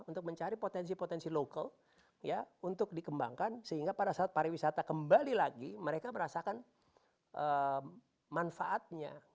untuk mencari potensi potensi lokal untuk dikembangkan sehingga pada saat pariwisata kembali lagi mereka merasakan manfaatnya